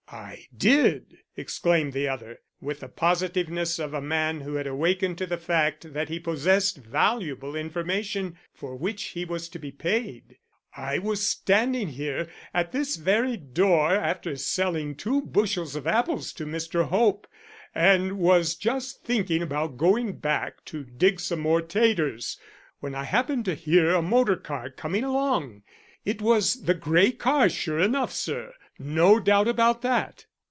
"I did," exclaimed the other, with the positiveness of a man who had awakened to the fact that he possessed valuable information for which he was to be paid, "I was standing here at this very door after selling two bushels of apples to Mr. Hope, and was just thinking about going back to dig some more taters, when I happened to hear a motor car coming along. It was the grey car, sure enough, sir. No doubt about that."